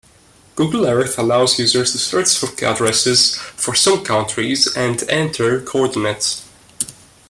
Google Earth allows users to search for addresses for some countries, and enter coordinates.